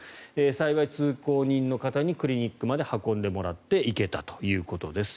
幸い、通行人の方にクリニックまで運んでもらって行けたということです。